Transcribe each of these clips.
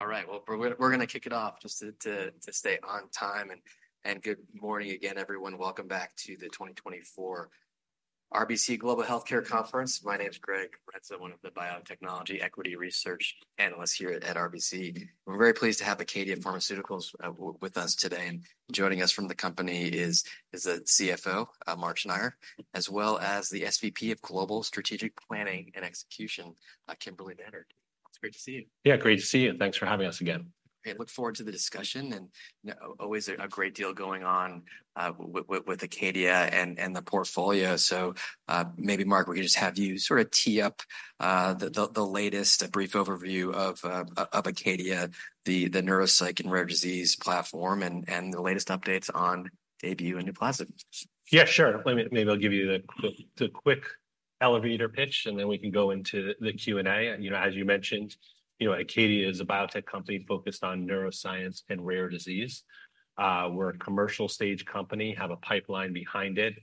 We're gonna kick it off just to stay on time. Good Morning again, everyone. Welcome back to the 2024 RBC Global Healthcare Conference. My name's Greg Renza, one of the Biotechnology Equity Research Analysts here at RBC. We're very pleased to have Acadia Pharmaceuticals with us today. Joining us from the company is the CFO, Mark Schneyer, as well as the SVP of Global Strategic Planning and Execution, Kimberly Manhard. It's great to see you. Great to see you. Thanks for having us again. Look forward to the discussion. Always a great deal going on with Acadia and the portfolio. Mark, We could just have you sort of tee up the latest brief overview of Acadia, the Neuropsych and rare disease platform and the latest updates on DAYBUE and NUPLAZID. Maybe I'll give you the quick elevator pitch and then we can go into the Q&A. As you mentioned, Acadia is a biotech company focused on neuroscience and rare disease. We're a commercial stage company, have a pipeline behind it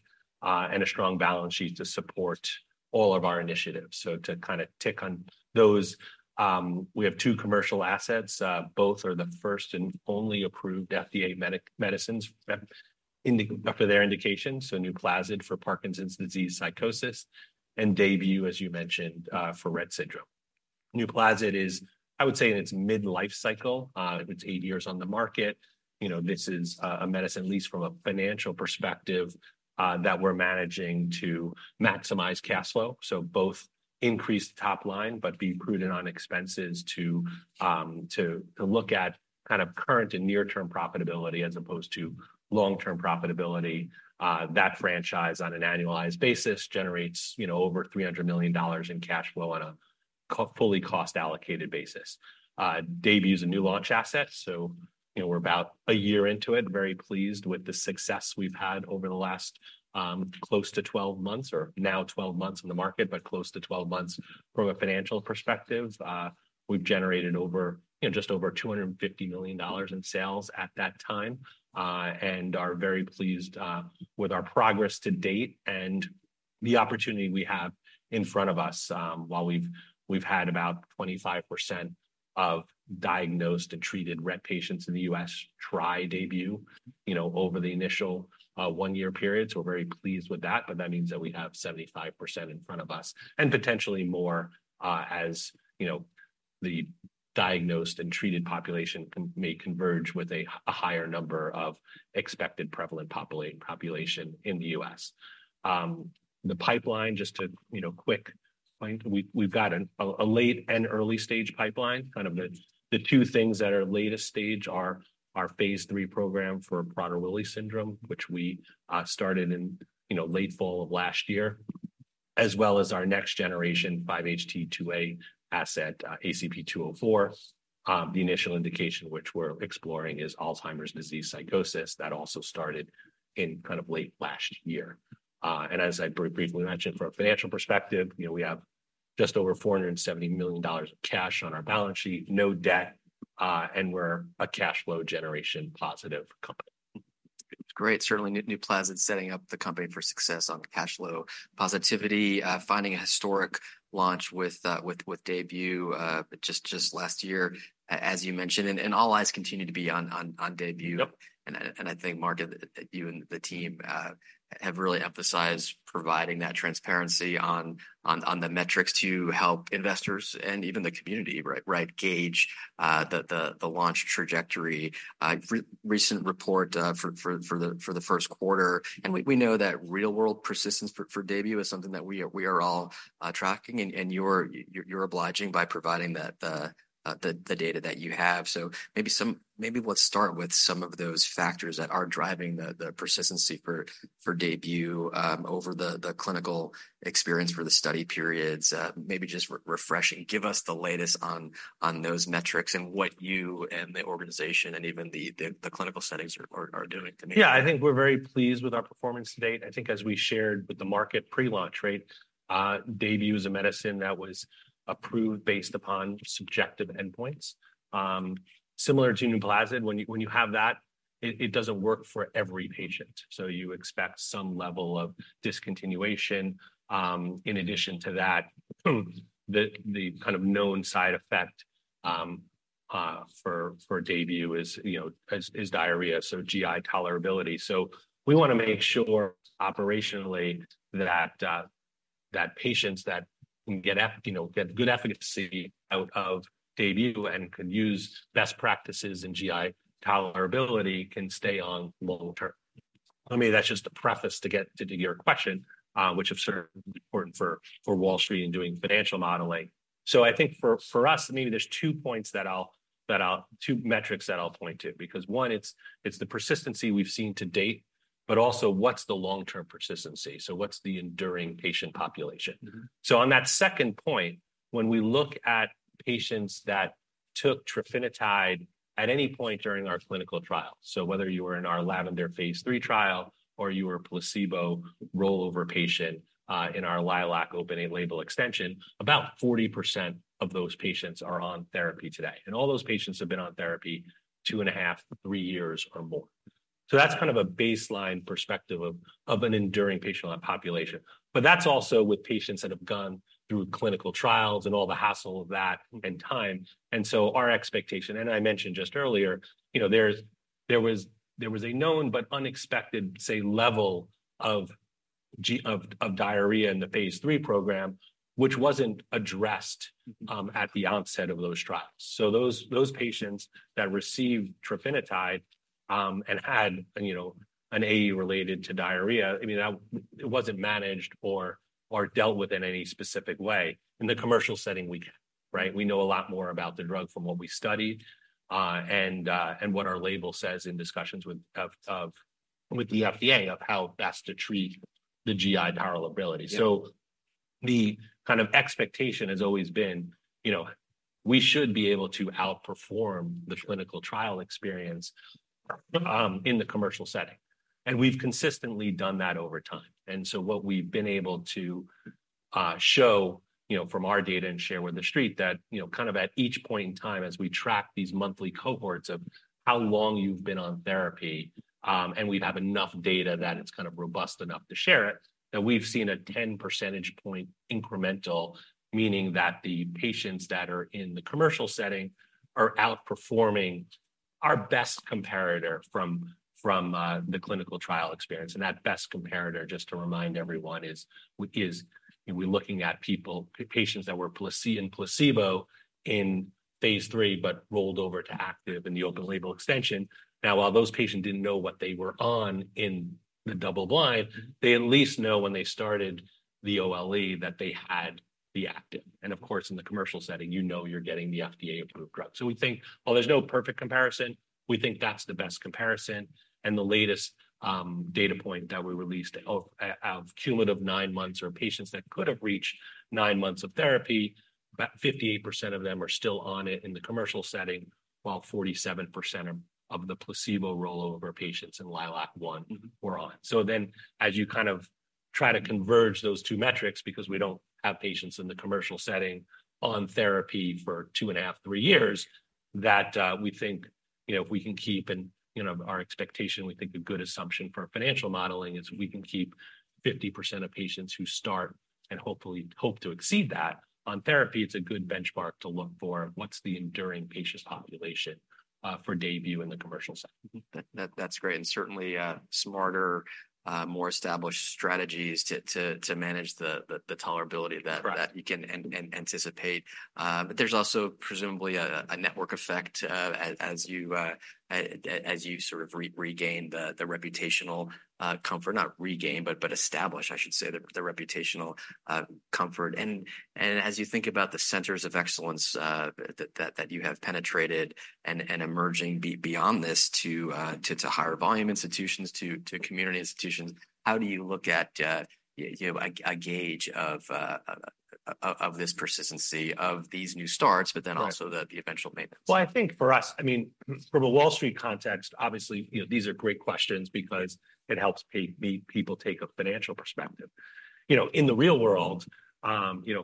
and a strong balance sheet to support all of our initiatives to tick on those, we have 2 commercial assets. Both are the first and only approved FDA medicines for their indication. NUPLAZID for Parkinson's disease psychosis and Daybue, as you mentioned, for Rett syndrome. NUPLAZID is, I would say, in its mid-life cycle. It's 8 years on the market. This is a medicine at least from a financial perspective, that we're managing to maximize cash flow. Both increase the top line, but be prudent on expenses to look at current and near-term profitability as opposed to long-term profitability. That franchise on an annualized basis generates over $300 million in cash flow on a fully cost allocated basis. Daybue is a new launch asset. So we're about a year into it, very pleased with the success we've had over the last close to 12 months, or now 12 months in the market, but close to 12 months from a financial perspective. We've generated over just over $250 million in sales at that time and are very pleased with our progress to date and the opportunity we have in front of us. While we've had about 25% of diagnosed and treated Rett patients in the U.S. try Daybue over the initial one-year period. We're very pleased with that. But that means that we have 75% in front of us and potentially more as the diagnosed and treated population may converge with a higher number of expected prevalent population in the U.S. The pipeline, just to quick point, we've got a late and early stage pipeline. The two things that are latest stage are our Phase 3 program for Prader-Willi syndrome, which we started in late fall of last year, as well as our next generation 5-HT2A asset, ACP-204. The initial indication which we're exploring is Alzheimer's disease psychosis that also started in late last year and as I briefly mentioned, from a financial perspective we have just over $470 million of cash on our balance sheet, no debt and we're a cash flow generation positive company. It's great. Certainly NUPLAZID setting up the company for success on cash flow positivity, finding a historic launch with Daybue just last year, as you mentioned and all eyes continue to be on Daybue and Mark, you and the team have really emphasized providing that transparency on the metrics to help investors and even the community, right. Gauge the launch trajectory. Recent report for the Q1 and we know that real-world persistence for Daybue is something that we are all tracking and you're obliging by providing that data that you have maybe let's start with some of those factors that are driving the persistency for Daybue over the clinical experience for the study periods. Maybe just refreshing. Give us the latest on those metrics and what you and the organization and even the clinical settings are doing up-to-date. We're very pleased with our performance to date. As we shared with the market pre-launch rate, Daybue is a medicine that was approved based upon subjective endpoints. Similar to NUPLAZID, when you have that, it doesn't work for every patient. You expect some level of discontinuation. In addition to that the known side effect for Daybue is diarrhea. GI tolerability. We want to make sure operationally that patients that can get up get good efficacy out of Daybue and can use best practices in GI tolerability can stay on long term. That's just a preface to get to your question, which have served important for Wall Street and doing financial modeling. For us, maybe there's 2 metrics that I'll point to because one it's the persistency we've seen to date. But also, what's the long-term persistency What's the enduring patient population. On that second point, when we look at patients that took trofinetide at any point during our clinical trial. Whether you were in our LAVENDER phase 3 trial, or you were a placebo rollover patient in our LILAC open-label extension, about 40% of those patients are on therapy today and all those patients have been on therapy 2.5, 3 years or more that's a baseline perspective of an enduring patient population. But that's also with patients that have gone through clinical trials and all the hassle of that and time. Our expectation and I mentioned just earlier there was a known but unexpected, say, level of diarrhea in the phase 3 program, which wasn't addressed at the onset of those trial patients that received trofinetide and had an AE related to diarrhea that it wasn't managed or dealt with in any specific way in the commercial setting. We can, right. We know a lot more about the drug from what we studied and what our label says in discussions with the FDA of how best to treat the GI tolerability. The expectation has always been we should be able to outperform the clinical trial experience in the commercial setting and we've consistently done that over time. What we've been able to show from our data and share with the street that at each point in time, as we track these monthly cohorts of how long you've been on therapy and we'd have enough data that it's robust enough to share it that we've seen a 10 percentage point incremental, meaning that the patients that are in the commercial setting are outperforming our best comparator from the clinical trial experience. That best comparator, just to remind everyone, is we're looking at people, patients that were placebo in phase 3, but rolled over to active in the open-label extension. Now, while those patients didn't know what they were on in the double-blind, they at least know when they started the OLE that they had the active. In the commercial setting you're getting the FDA-approved drug. We think, well, there's no perfect comparison. We think that's the best comparison and the latest data point that we released of cumulative nine months, or patients that could have reached nine months of therapy, about 58% of them are still on it in the commercial setting, while 47% of the placebo rollover patients in LILAC-1 were on then as you try to converge those two metrics, because we don't have patients in the commercial setting on therapy for 2.5-3 years that we think if we can keep and our expectation. We think a good assumption for financial modeling is we can keep 50% of patients who start and hopefully hope to exceed that on therapy. It's a good benchmark to look for. What's the enduring patient population for Daybue in the commercial setting. That's great and certainly smarter, more established strategies to manage the tolerability that you can and anticipate. But there's also presumably a network effect, as you sort of regain the reputational comfort not regain, but establish the reputational comfort and as you think about the Centers of Excellence that you have penetrated and emerging, but beyond this to higher volume institutions, to community institutions. How do you look at a gauge of this persistency of these new starts, but then also the eventual maintenance. For us, From a Wall Street context these are great questions, because it helps meet people take a financial perspective. In the real world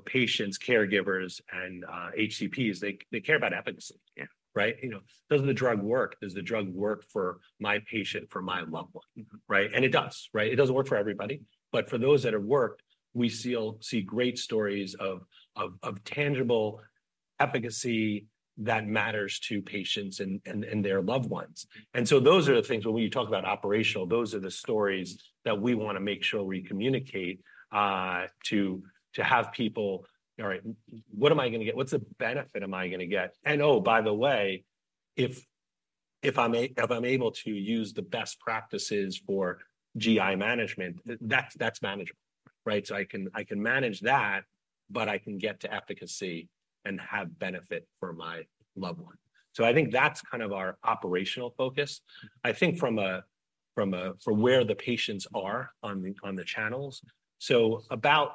patients, caregivers and HCPs, they care about efficacy. Does the drug work. Does the drug work for my patient, for my loved one. Right and it does, right. It doesn't work for everybody. For those that have worked, we still see great stories of tangible efficacy that matters to patients and their loved ones and so those are the things. When we talk about operational, those are the stories that we want to make sure we communicate to have people. All right. What am I gonna get. What's the benefit. Am I gonna get and oh, by the way. If I'm able to use the best practices for GI management, that's manageable, right. So I can manage that. But I can get to efficacy and have benefit for my loved one. That's our operational focus. From a for where the patients are on the channels. So about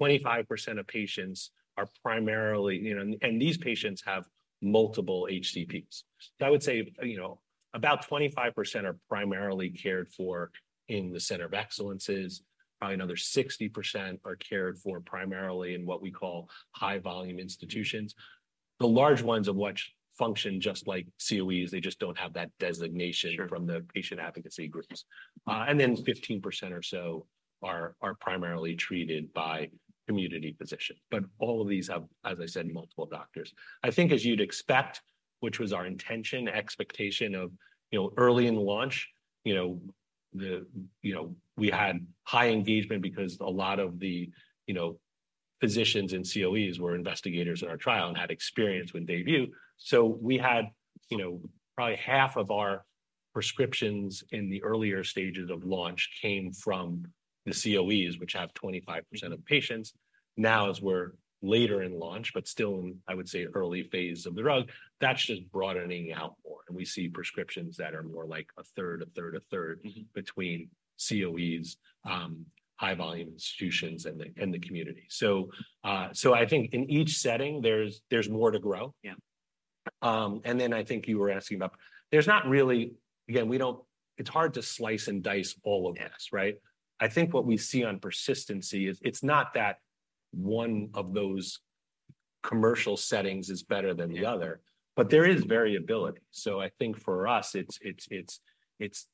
25% of patients are primarily and these patients have multiple HCPs. So I would say about 25% are primarily cared for in the centers of excellence. Probably another 60% are cared for primarily in what we call high volume institutions. The large ones of which function just like COEs. They just don't have that designation from the patient advocacy groups and then 15% or so are primarily treated by community physicians. All of these have as I said, multiple doctors as you'd expect, which was our intention expectation of early in launch the we had high engagement, because a lot of the physicians and COEs were investigators in our trial and had experience with Daybue. So we had probably half of our prescriptions in the earlier stages of launch came from the COEs, which have 25% of patients. Now, as we're later in launch, but still in, I would say, early phase of the drug, that's just broadening out more and we see prescriptions that are more like a third, a third, a third between COEs, high volume institutions and the and the community. In each setting there's there's more to grow and then you were asking about. There's not really. Again, we don't. It's hard to slice and dice all of this, right. What we see on persistency is it's not that one of those commercial settings is better than the other. But there is variability. For us it's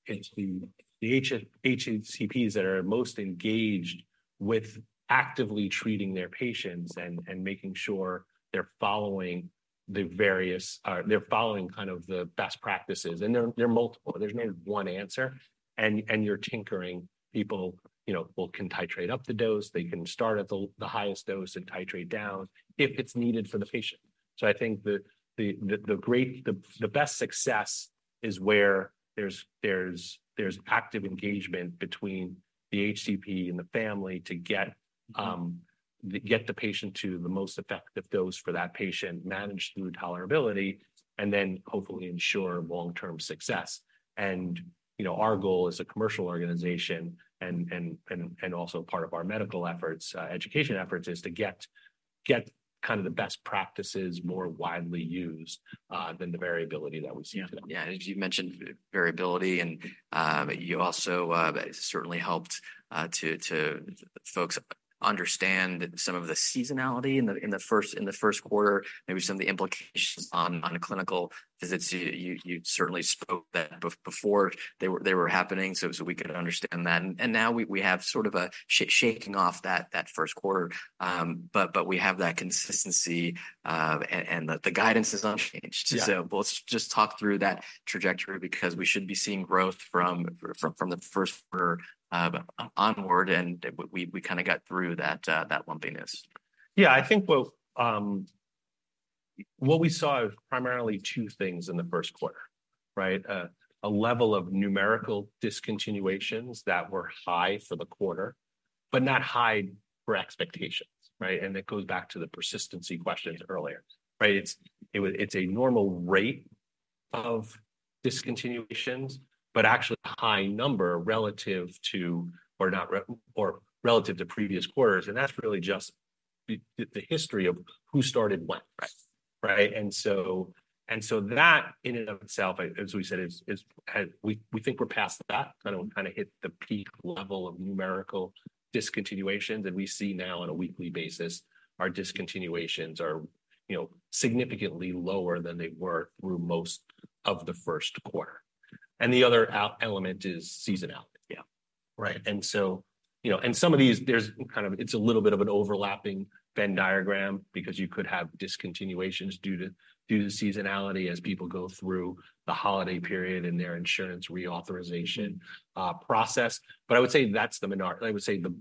the HHCPs that are most engaged with actively treating their patients and making sure they're following the various. They're following the best practices and they're multiple. There's no one answer and you're tinkering. People can titrate up the dose. They can start at the highest dose and titrate down if it's needed for the patient. The great, the best success is where there's active engagement between the HCP and the family to get the patient to the most effective dose for that patient managed through tolerability and then hopefully ensure long-term success. Our goal as a commercial organization and also part of our medical efforts, education efforts, is to get the best practices more widely used than the variability that we see today. If you've mentioned variability and you also certainly helped folks understand some of the seasonality in the 1st quarter. Maybe some of the implications on clinical visits. You certainly spoke that before they were happening. So we have sort of a shaking off that 1st quarter. But we have that consistency and the guidance is unchanged. So well, let's just talk through that trajectory, because we should be seeing growth from the 1st quarter onward and we got through that lumpiness. What we saw is primarily 2 things in the 1st quarter, right. A level of numerical discontinuations that were high for the quarter, but not high for expectations, right and it goes back to the persistency questions earlier, right. It was. It's a normal rate of discontinuations, but actually high number relative to, or not, or relative to previous quarters and that's really just the history of who started when, right. right and so and so that in and of itself, as we said, is we think we're past that hit the peak level of numerical discontinuations and we see now on a weekly basis our discontinuations are significantly lower than they were through most of the 1st quarter and the other element is seasonality. Some of these, there's it's a little bit of an overlapping Venn diagram, because you could have discontinuations due to seasonality as people go through the holiday period and their insurance reauthorization process. But I would say that's the minor. I would say that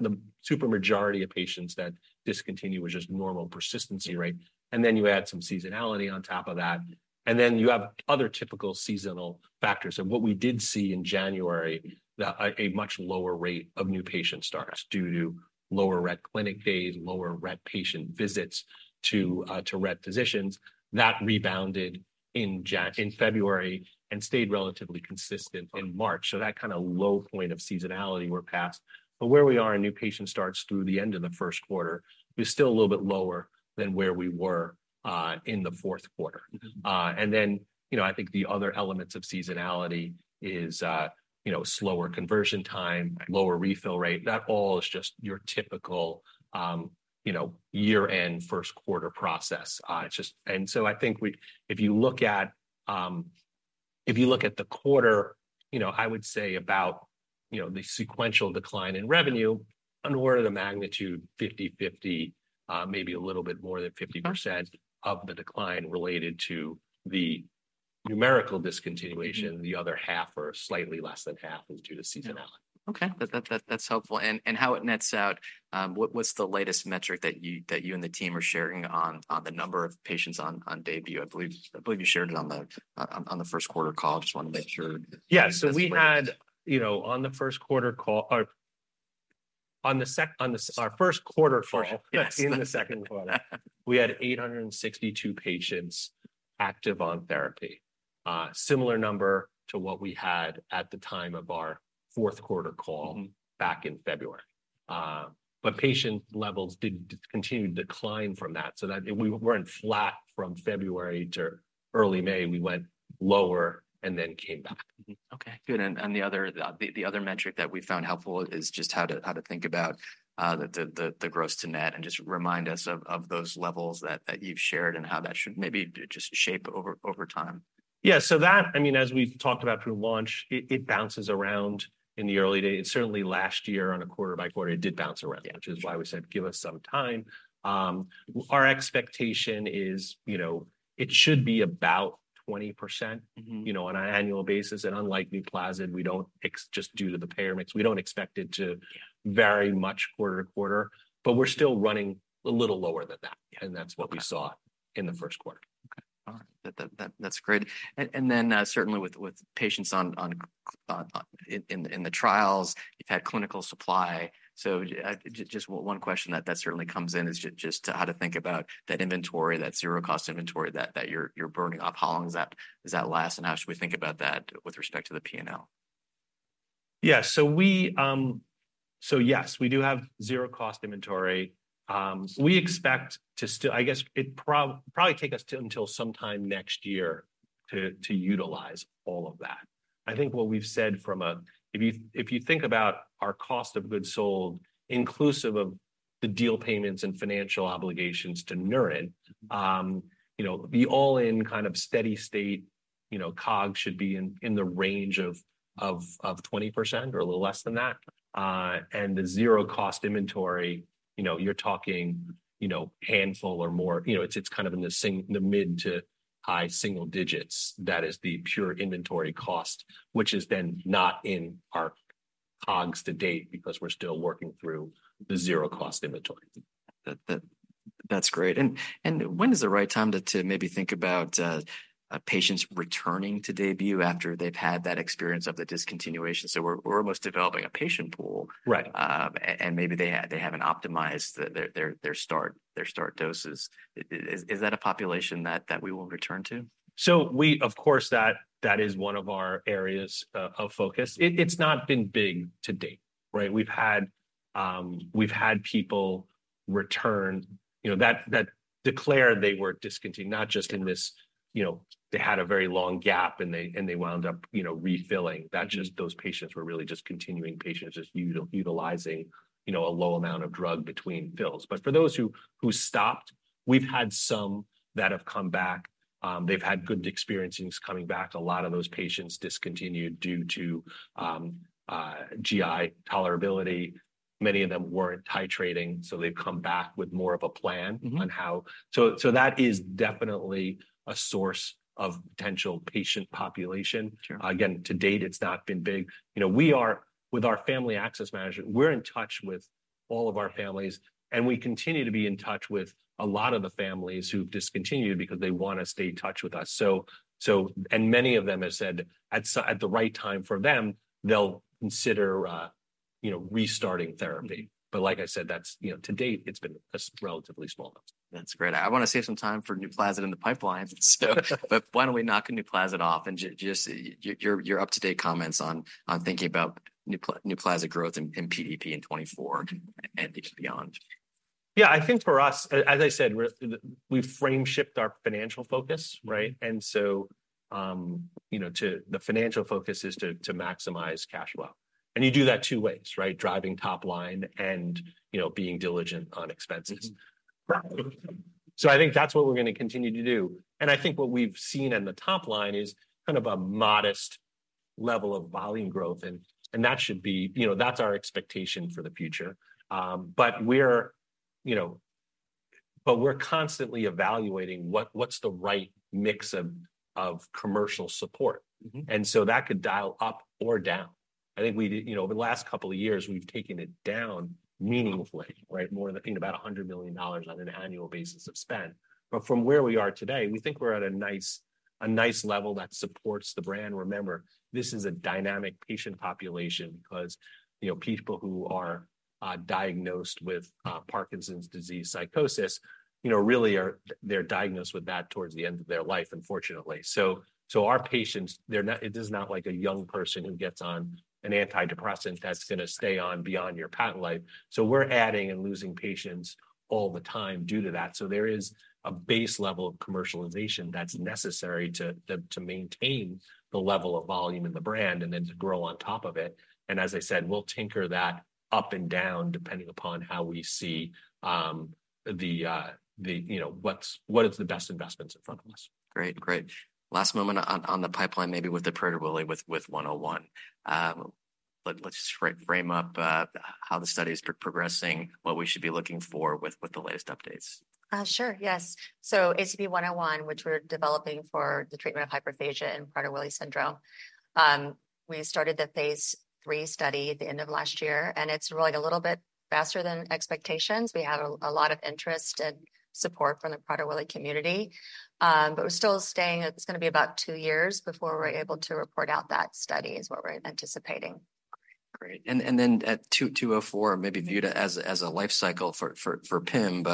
the super majority of patients that discontinue was just normal persistency rate and then you add some seasonality on top of that and then you have other typical seasonal factors and what we did see in January, that a much lower rate of new patient starts due to lower Rett clinic days lower Rett patient visits to Rett physicians that rebounded in February and stayed relatively consistent in March. That low point of seasonality we're past. Where we are in new patient starts through the end of the 1st quarter is still a little bit lower than where we were in the 4th quarter and then the other elements of seasonality is slower conversion time, lower refill rate. That all is just your typical year-end 1st quarter process. It's just and we if you look at if you look at the quarter I would say about the sequential decline in revenue on order of the magnitude 50, 50, maybe a little bit more than 50% of the decline related to the numerical discontinuation. The other half, or slightly less than 50%, is due to seasonality. That's helpful and how it nets out. What was the latest metric that you and the team are sharing on the number of patients on Daybue. I believe you shared it on the Q1 call. I just want to make sure. We had on the 1st quarter call or on the second, on our 1st quarter call in the Q2. We had 862 patients active on therapy, similar number to what we had at the time of our 4th quarter call back in February. But patient levels did continue to decline from that we were flat from February to early May. We went lower and then came back. Good and the other metric that we found helpful is just how to think about the gross-to-net and just remind us of those levels that you've shared and how that should maybe just shape over time. That as we've talked about through launch, it bounces around in the early days. It certainly last year, on a quarter-by-quarter basis, it did bounce around, which is why we said, give us some time. Our expectation is it should be about 20% on an annual basis and unlike NUPLAZID, we don't, just due to the payer mix. We don't expect it to vary much quarter to quarter, but we're still running a little lower than that and that's what we saw in the Q1. All right. That's great and then certainly with patients in the trials. You've had clinical supply. So just one question that certainly comes in is just how to think about that inventory, that zero-cost inventory that you're burning off. How long is that. Does that last and how should we think about that with respect to the P&L. Yes, we do have 0 cost inventory. We expect to still, I guess it probably take us until sometime next year to utilize all of that. What we've said from a if you think about our cost of goods sold, inclusive of the deal payments and financial obligations to Neuren the all in steady state COGS should be in the range of 20% or a little less than that and the 0 cost inventory you're talking handful or more. It's in the mid to high single digits. That is the pure inventory cost, which is then not in our COGS to date, because we're still working through the 0 cost inventory. That's great and when is the right time to maybe think about patients returning to Daybue after they've had that experience of the discontinuation. So we're almost developing a patient pool. Right and maybe they haven't optimized their start doses. Is that a population that we will return to. That is one of our areas of focus. It's not been big to date, right. We've had people return that declare they were discontinued, not just in this they had a very long gap and they wound up refilling. That's just those patients were really just continuing patients, just utilizing a low amount of drug between fills. But for those who stopped, we've had some that have come back. They've had good experiences coming back. A lot of those patients discontinued due to GI tolerability. Many of them weren't titrating. So they've come back with more of a plan on how. So that is definitely a source of potential patient population. To date, it's not been big. We are with our Family Access Management. We're in touch with all of our families and we continue to be in touch with a lot of the families who've discontinued because they want to stay in touch with us and many of them have said at the right time for them, they'll consider restarting therapy. But, like I said, that's to date, it's been a relatively small number. That's great. I want to save some time for NUPLAZID in the pipeline. But why don't we knock NUPLAZID off and just your up-to-date comments on thinking about NUPLAZID growth and PDP in 2024 and beyond. For us, as I said, we've frame-shifted our financial focus, right and so the financial focus is to maximize cash flow and you do that 2 ways, right. Driving top line and being diligent on expenses. That's what we're going to continue to do and what we've seen in the top line is a modest level of volume growth and that should be that's our expectation for the future. We're constantly evaluating what's the right mix of commercial support and so that could dial up or down. We over the last couple of years, we've taken it down meaningfully, right. More than about $100 million on an annual basis of spend. From where we are today, we think we're at a nice level that supports the brand. Remember, this is a dynamic patient population, because people who are diagnosed with Parkinson's disease psychosis really are. They're diagnosed with that towards the end of their life, unfortunately. So our patients, they're not. It is not like a young person who gets on an antidepressant that's going to stay on beyond your patent life. So we're adding and losing patients all the time due to that. So there is a base level of commercialization that's necessary to maintain the level of volume in the brand and then to grow on top of it and as I said, we'll tinker that up and down, depending upon how we see the what is the best investments in front of us. Great, great. Last moment on the pipeline, maybe with the Prader-Willi 101. Let's just frame up how the study is progressing, what we should be looking for with the latest updates. Sure. Yes. So ACP-101, which we're developing for the treatment of hyperphagia and Prader-Willi syndrome. We started the phase 3 study at the end of last year and it's really a little bit faster than expectations. We have a lot of interest and support from the Prader-Willi community. But we're still saying. It's going to be about two years before we're able to report out that study is what we're anticipating. Great and then at ACP-204, maybe viewed as a life cycle for PIM.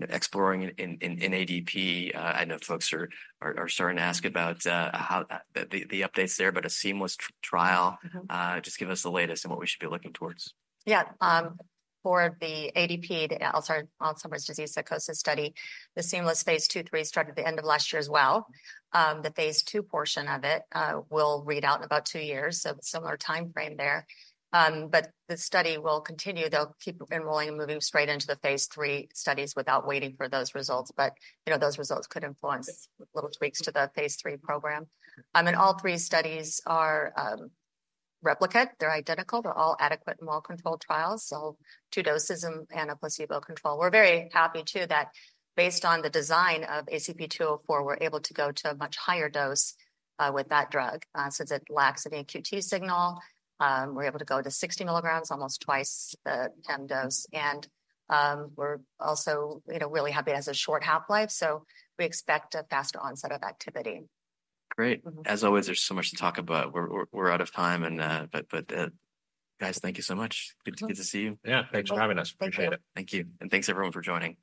Exploring in ADP. I know folks are starting to ask about how the updates there. But a seamless trial. Just give us the latest and what we should be looking towards. For the ADP. Alzheimer's disease psychosis study. The seamless phase 2/3 started the end of last year as well. The phase 2 portion of it will read out in about 2 years. So similar timeframe there. But the study will continue. They'll keep enrolling and moving straight into the phase 3 studies without waiting for those results. Those results could influence little tweaks to the phase 3 program and all 3 studies are replicate. They're identical. They're all adequate and well controlled trials. 2 doses and a placebo control. We're very happy, too, that based on the design of ACP-204, we're able to go to a much higher dose with that drug, since it lacks any QT signal. We're able to go to 60 mg, almost twice the pim dose and we're also really happy. It has a short half-life. So we expect a faster onset of activity. Great. As always, there's so much to talk about. We're out of time. Guys, thank you so much. Good to see you. Thanks for having us. Appreciate it. Thank you. Thanks, everyone, for joining.